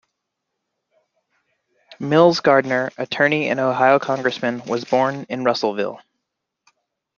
Mills Gardner, attorney and Ohio congressman, was born in Russellville.